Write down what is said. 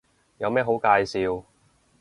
有咩好介紹